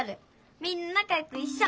みんななかよくいっしょ！